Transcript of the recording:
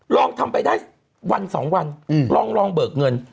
ลองทำไปได้วัน๒วันลองเบิกเงิน